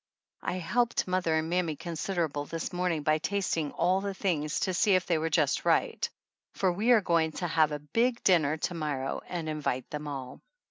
I helped mother and mammy considerable this morning by tasting all the things to see if they were just right, for we are going to have a big dinner to morrow and invite them all.